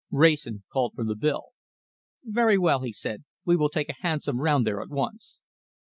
Wrayson called for the bill. "Very well," he said, "we will take a hansom round there at once."